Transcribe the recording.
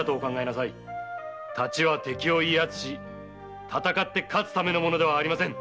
太刀は敵を威圧し戦って勝つためのものではありません。